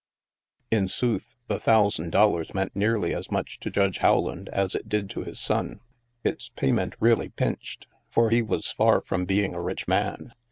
In sooth, the thousand dollars meant nearly as much to Judge Rowland as it did to his son. Its payment really pinched, for he was far from being a rich man.